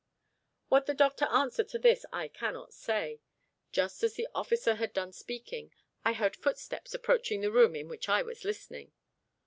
What the doctor answered to this I cannot say. Just as the officer had done speaking, I heard footsteps approaching the room in which I was listening.